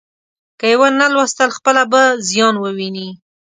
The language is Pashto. که یې ونه ولوستل، خپله به زیان وویني.